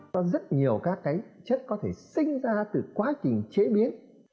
có rất nhiều các cái chất có thể sinh ra từ quá trình chế biến